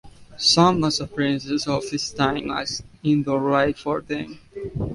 Some of the princes of his time asked him to write for them.